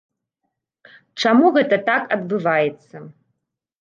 Чаму гэта так адбываецца?